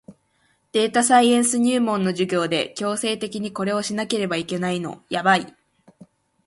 データサイエンス入門の授業で強制的にこれをしなければいけないのやばい